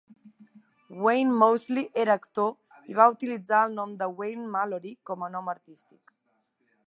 Wayne Moseley era actor i va utilitzar el nom de Wayne Mallory com a nom artístic.